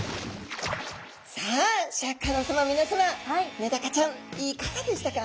メダカちゃんいかがでしたか？